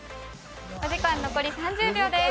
お時間残り３０秒です。